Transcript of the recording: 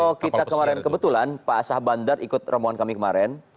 kalau kita kemarin kebetulan pak asah bandar ikut rombongan kami kemarin